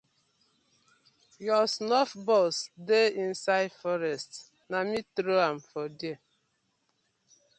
Yur snuff bosx dey inside forest, na me trow am for there.